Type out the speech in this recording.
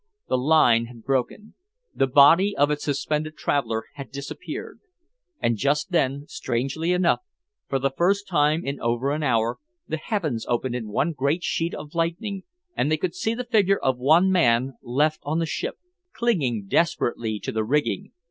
The line had broken. The body of its suspended traveller had disappeared! And just then, strangely enough, for the first time for over an hour, the heavens opened in one great sheet of lightning, and they could see the figure of one man left on the ship, clinging desperately to the rigging.